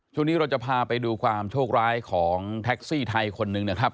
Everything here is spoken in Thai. ช่วงนี้เราจะพาไปดูความโชคร้ายของแท็กซี่ไทยคนหนึ่งนะครับ